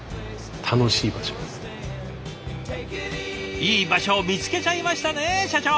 いい場所見つけちゃいましたね社長！